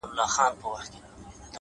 گرانه په دغه سي حشر كي جــادو ـ